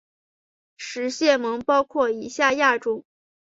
食蟹獴包括以下亚种